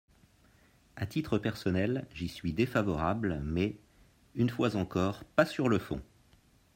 À titre personnel, j’y suis défavorable mais, une fois encore, pas sur le fond.